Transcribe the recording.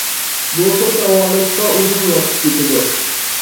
بۇ خىل داۋالاشقا ئۇزۇن ۋاقىت كېتىدۇ.